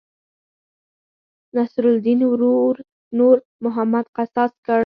نصرالیدن ورور نور محمد قصاص کړ.